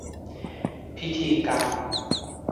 พิธีกรรม